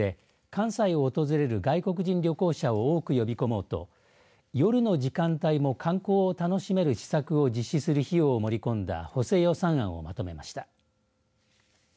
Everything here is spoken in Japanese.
関西を訪れる外国人旅行者を多く呼び込もうと夜の時間帯も観光を楽しめる施策を実施する費用を盛り込んだ補正予算案をまとめました。